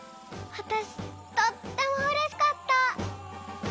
わたしとってもうれしかった。